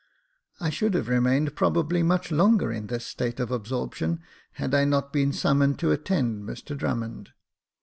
I should have remained probably much longer in this state of absorption, had I not been summoned to attend Mr Drummond.